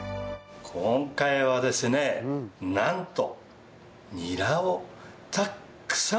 今回はですねなんと。